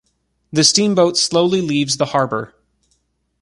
The steamboat slowly leaves the harbor.